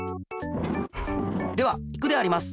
ではいくであります！